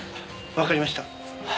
わかりました。